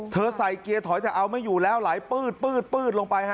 ใส่เกียร์ถอยแต่เอาไม่อยู่แล้วไหลปืดลงไปฮะ